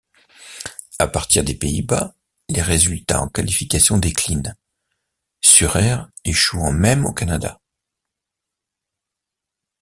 À partir des Pays-Bas, les résultats en qualifications déclinent, Surer échouant même au Canada.